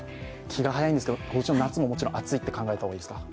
気が早いんですけど、今年の夏も暑いと考えた方がいいんですか？